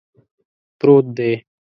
پروت دی